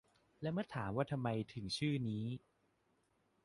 และเมื่อถามว่าทำไมถึงชื่อนี้